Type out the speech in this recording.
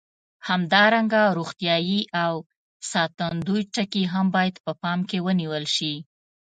همدارنګه روغتیایي او ساتندوي ټکي هم باید په پام کې ونیول شي.